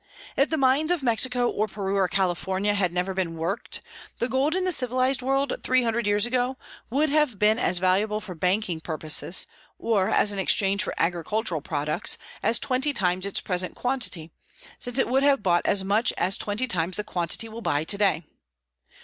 If the mines of Mexico or Peru or California had never been worked, the gold in the civilized world three hundred years ago would have been as valuable for banking purposes, or as an exchange for agricultural products, as twenty times its present quantity, since it would have bought as much as twenty times the quantity will buy to day.